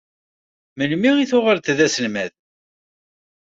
Melmi tuɣaleḍ d aselmad?